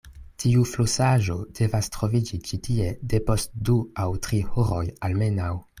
Tiu flosaĵo devas troviĝi ĉi tie depost du aŭ tri horoj almenaŭ.